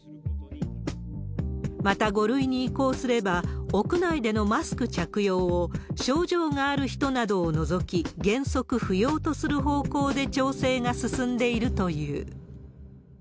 また、５類に移行すれば、屋内でのマスク着用を症状がある人などを除き、原則不要とする方向で調整が進んでいるという。